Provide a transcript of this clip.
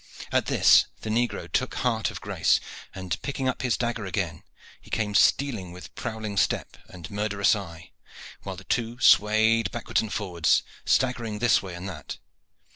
At this the negro took heart of grace, and picking up his dagger again he came stealing with prowling step and murderous eye, while the two swayed backwards and forwards, staggering this way and that.